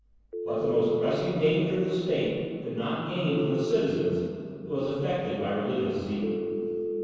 What the most pressing danger of the state could not gain from the citizens, was effected by religious zeal.